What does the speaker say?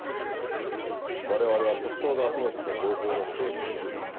我々は特捜が集めて来た情報の整理を担当する。